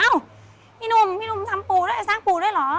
เอ้าพี่หนุ่มพี่หนุ่มสร้างปูด้วยเหรอ